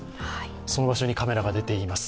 その場所にカメラが見ています。